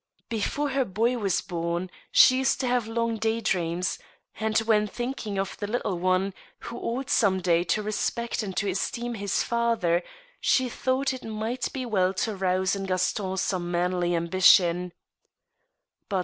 Before her boy was bom she used to have long day dreams, and when thinking of the little one, who ought some day to respect and to esteem his father, she thought it might be well to rouse in Gas ton some manly ambition.